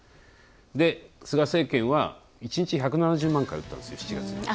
菅政権は１日１７０万回打ったんです、７月に。